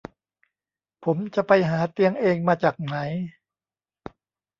ผมจะไปหาเตียงเองมาจากไหน